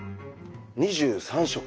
２３色？